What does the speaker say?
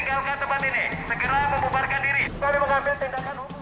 adik adik tinggalkan tempat ini segera memubarkan diri